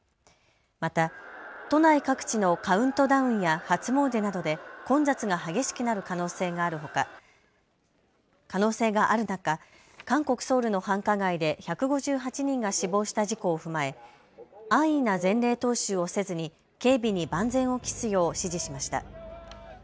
また都内各地のカウントダウンや初詣などで混雑が激しくなる可能性がある中、韓国ソウルの繁華街で１５８人が死亡した事故を踏まえ、安易な前例踏襲をせずに警備に万全を期すよう指示しました。